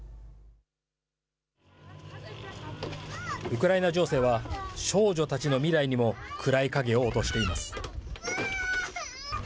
ウクライナ情勢は、少女たちの未来にも暗い影を落としています。